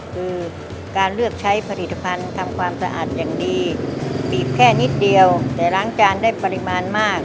คือการเลือกใช้ผลิตภัณฑ์ทำความสะอาดอย่างดีบีบแค่นิดเดียวแต่ล้างจานได้ปริมาณมาก